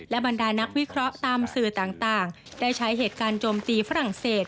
บรรดานักวิเคราะห์ตามสื่อต่างได้ใช้เหตุการณ์โจมตีฝรั่งเศส